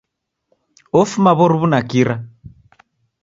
Ofuma w'oruw'u na kira.